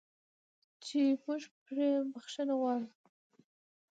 چې موږ پرې بخښنه غواړو.